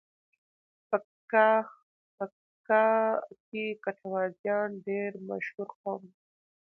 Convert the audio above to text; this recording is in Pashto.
پکیتیکا کې ګټوازیان ډېر مشهور قوم دی.